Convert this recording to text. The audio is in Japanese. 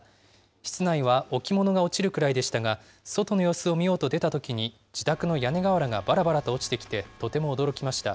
室内は置物が落ちるくらいでしたが、外の様子を見ようと出たときに、自宅の屋根瓦がばらばらと落ちてきてとても驚きました。